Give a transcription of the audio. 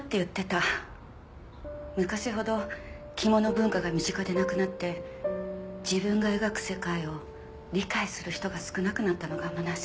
昔ほど着物文化が身近でなくなって自分が描く世界を理解する人が少なくなったのがむなしいって。